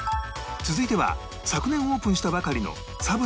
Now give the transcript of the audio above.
続いては昨年オープンしたばかりのサブレ